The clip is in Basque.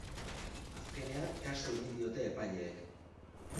Azkenean, kasu egin diote epaileek.